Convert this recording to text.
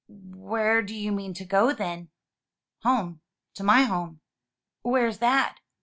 "Where do you mean to go, then?" "Home to my home." "Where's that?"